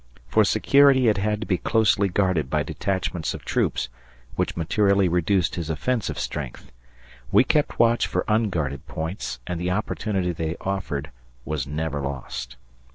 For security it had to be closely guarded by detachments of troops, which materially reduced his offensive strength. We kept watch for unguarded points, and the opportunity they offered was never lost.